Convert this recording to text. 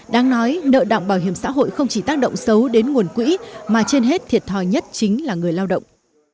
đáng nói nợ động bảo hiểm xã hội không chỉ tác động xấu đến nguồn quỹ mà trên hết thiệt thòi nhất chính là người lao động